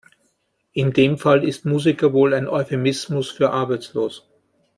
In dem Fall ist Musiker wohl ein Euphemismus für arbeitslos.